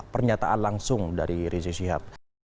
pernyataan langsung dari rizik syihab